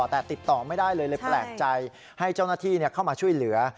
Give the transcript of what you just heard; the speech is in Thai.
แต่ติดต่อไม่ได้เลยเลยแปลกใจให้เจ้าหน้าที่เข้ามาช่วยเหลือ